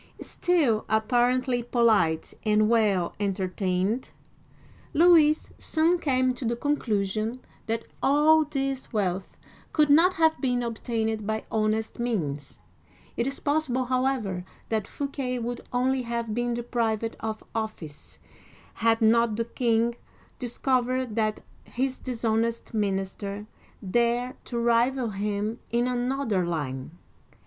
*' Still apparently polite and well entertained, Louis soon came to the conclusion that all this wealth could not have been obtained by honest means. It is possible, however, that Fouquet would only have been deprived of office, had not the king discovered that his dishonest minister dared to rival him in another line.